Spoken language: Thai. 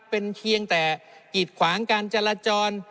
เป็นเพียงแต่กิดขวางการจราจร